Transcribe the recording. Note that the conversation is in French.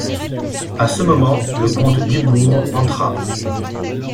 A ce moment le comte Dubourg entra.